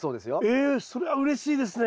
ええそれはうれしいですね！